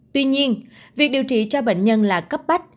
tuy nhiên việc điều trị cho bệnh nhân là cấp bách